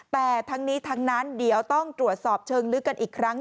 แต่ทั้งนี้ทั้งนั้นเดี๋ยวต้องตรวจสอบเชิงลึกกันอีกครั้ง